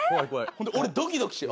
ほんで俺ドキドキして。